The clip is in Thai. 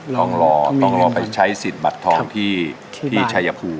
ต้องรอต้องรอไปใช้สิทธิ์บัตรทองที่ชัยภูมิ